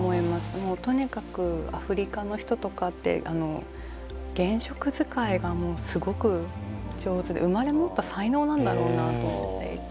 とにかくアフリカの人とかって原色使いがすごく上手で生まれ持った才能なんだろうなと思っていて。